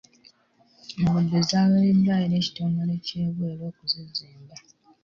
Enguudo zaweereddwayo eri ekitongole ky'ebweru okuzizimba.